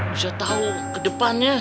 bisa tau kedepannya